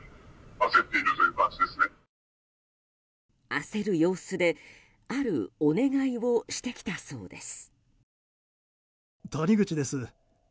焦る様子であるお願いをしてきたそうです。